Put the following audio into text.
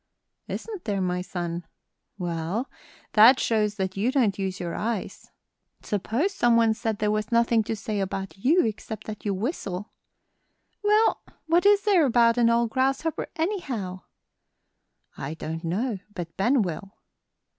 "Isn't there, my son? Well, that shows that you don't use your eyes. Suppose some one said there was nothing to say about you except that you whistle?" "Well, what is there about an old grasshopper, anyhow?" "I don't know, but Ben will."